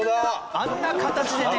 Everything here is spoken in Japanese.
あんな形でね。